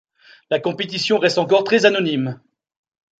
La compétition reste encore très anonyme.